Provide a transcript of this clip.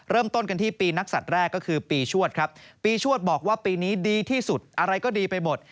เริ่มต้นกันที่ปีนักศัตริย์แรกก็คือปีชวดครับปีชวดบอกว่าปีนี้ดีที่สุดอะไรก็ดีไปหมด